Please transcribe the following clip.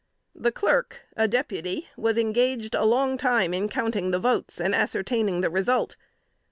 The Clerk (a deputy) was engaged a long time in counting the votes, and ascertaining the result.